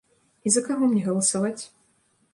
І за каго мне галасаваць?